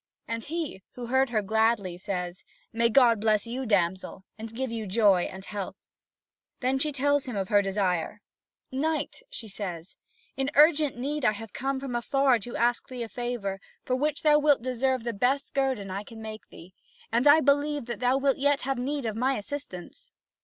And he, who heard her gladly, says: "May God bless you, damsel, and give you joy and health!" Then she tells him of her desire. "Knight," she says, "in urgent need I have come from afar to thee to ask a favour, for which thou wilt deserve the best guerdon I can make to thee; and I believe that thou wilt yet have need of my assistance."